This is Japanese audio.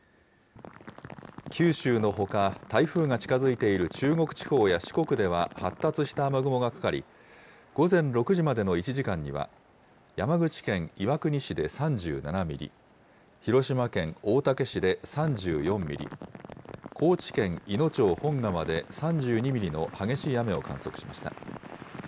九州のほか、台風が近づいている中国地方や四国では、発達した雨雲がかかり、午前６時までの１時間には、山口県岩国市で３７ミリ、広島県大竹市で３４ミリ、高知県いの町本川で３２ミリの激しい雨を観測しました。